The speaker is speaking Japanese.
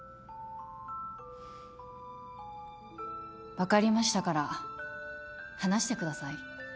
分かりましたから離してください